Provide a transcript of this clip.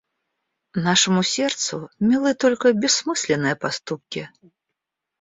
Нашему сердцу милы только бессмысленные поступки.